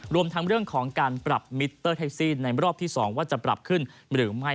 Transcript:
รวมทั้งเรื่องของการปรับมิเตอร์แท็กซี่ในรอบที่๒ว่าจะปรับขึ้นหรือไม่